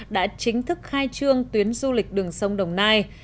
đã chính thức khai trương tuyến du lịch đường sông đồng nai